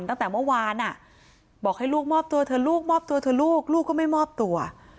ตั้งแต่เมื่อวานบอกให้ลูกมอบตัวเถอะลูกมอบตัวเถอะลูกลูกก็ไม่มอบตัว